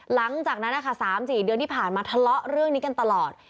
หลังจากนั้นนะคะ๓๔เดือนที่ผ่านมาทะเลาะเรื่องนี้กันตลอด